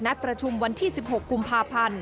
ประชุมวันที่๑๖กุมภาพันธ์